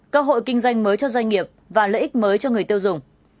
cơ hội kinh doanh mới cho doanh nghiệp và lợi ích mới cho người tiêu dùng